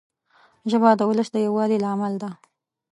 ژبه د ولس د یووالي لامل ده